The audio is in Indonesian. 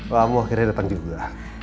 kamu akhirnya datang juga